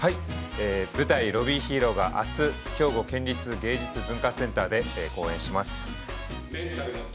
◆舞台「ロビー・ヒーロー」があす、兵庫県立芸術文化センターで公演します。